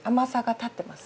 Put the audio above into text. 立ってます。